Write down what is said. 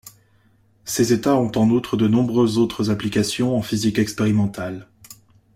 Ces états ont en outre de nombreuses autres applications en physique expérimentale.